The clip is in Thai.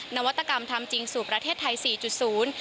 นวัตกรรมทำจริงสู่ประเทศไทย๔๐